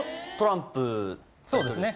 そうですね。